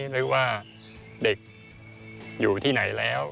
นึกว่าเด็กอยู่ที่ไหนแล้ว